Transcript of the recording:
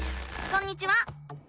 こんにちは。